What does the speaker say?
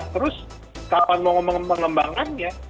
terus kapan mengembangkannya